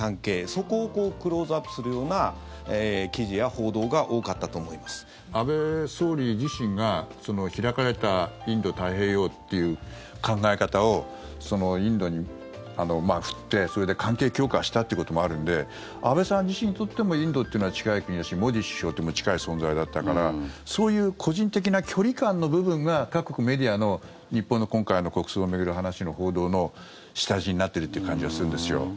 そこをクローズアップするような記事や報道が安倍総理自身が開かれたインド太平洋という考え方をインドに振ってそれで関係強化したということもあるので安倍さん自身にとってもインドというのは近い国だしモディ首相とも近い存在だったからそういう個人的な距離感の部分が各国、メディアの日本の今回の国葬を巡る話の報道の下地になっているという感じはするんですよ。